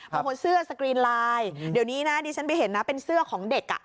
บางคนเสื้อสกรีนไลน์เดี๋ยวนี้นะดิฉันไปเห็นนะเป็นเสื้อของเด็ก